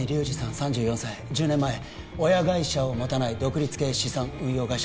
３４歳１０年前親会社を持たない独立系資産運用会社